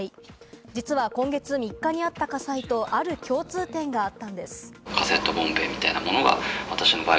実は今月３日にあった火災とある共通点があったのです。